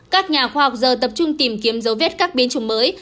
các nhà khoa học giờ tập trung tìm kiếm dấu vết các biến chủng mới